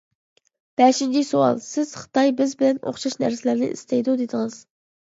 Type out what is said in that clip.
بەشىنچى سوئال: سىز «خىتاي بىز بىلەن ئوخشاش نەرسىلەرنى ئىستەيدۇ»، دېدىڭىز.